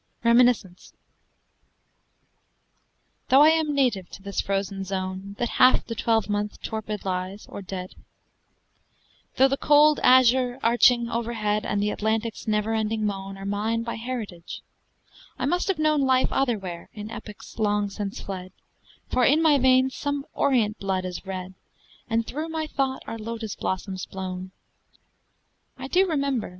REMINISCENCE Though I am native to this frozen zone That half the twelvemonth torpid lies, or dead; Though the cold azure arching overhead And the Atlantic's never ending moan Are mine by heritage, I must have known Life otherwhere in epochs long since fled; For in my veins some Orient blood is red, And through my thought are lotus blossoms blown. I do remember